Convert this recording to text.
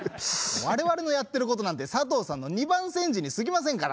我々のやってることなんてさとうさんの二番煎じに過ぎませんから！